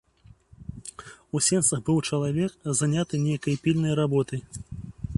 У сенцах быў чалавек, заняты нейкай пільнай работай.